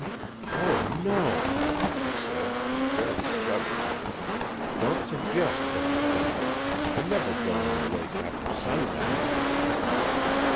"Oh, no," she said, and fairly shuddered. "Don't suggest such a thing! I never go on the lake after sundown."